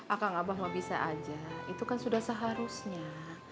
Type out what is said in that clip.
akang abah mau bisa aja itu kan sudah seharusnya